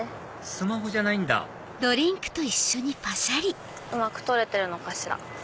スマホじゃないんだうまく撮れてるのかしら？